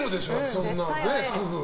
そんなんすぐ。